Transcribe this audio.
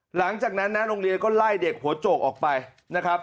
หลังจากนั้นนะโรงเรียนก็ไล่เด็กหัวโจกออกไปนะครับ